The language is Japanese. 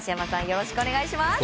よろしくお願いします。